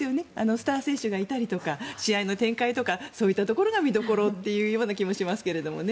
スター選手がいたりとか試合の展開とかそういったところが見どころという気もしますけれどね。